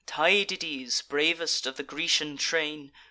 Tydides, bravest of the Grecian train!